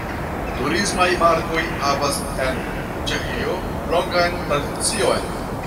Turismaj markoj havas en Ĉeĥio longan tradicion.